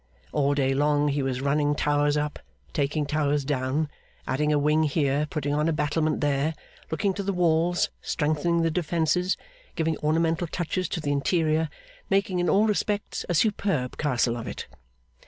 All day long he was running towers up, taking towers down, adding a wing here, putting on a battlement there, looking to the walls, strengthening the defences, giving ornamental touches to the interior, making in all respects a superb castle of it.